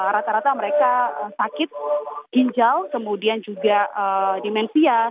rata rata mereka sakit ginjal kemudian juga demensia